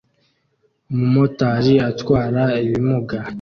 Umumotari atwara ibimuga